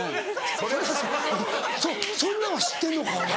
そそんなんは知ってんのかお前。